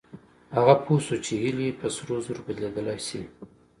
هغه پوه شو چې هيلې په سرو زرو بدلېدلای شي.